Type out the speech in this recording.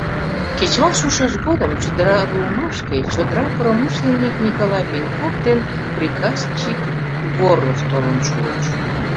Кечывал шушаш годым чодыра руымашке чодыра промышленник Николай Пеньков ден приказчик Горлов толын шуыч.